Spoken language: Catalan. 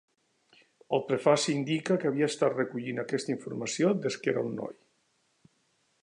El prefaci indica que havia estat recollint aquesta informació des que era un noi.